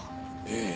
ええ。